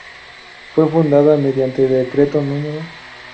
Fue fundada mediante Decreto No.